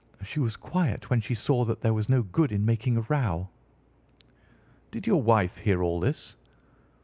She was quiet when she saw that there was no good in making a row." "Did your wife hear all this?"